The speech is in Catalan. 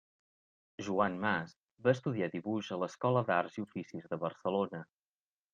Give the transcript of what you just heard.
Joan Mas va estudiar dibuix a l'escola d'arts i oficis de Barcelona.